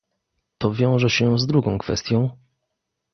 To wiąże się z drugą kwestią